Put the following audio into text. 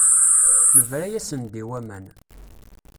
Nebra-yasen-d i waman.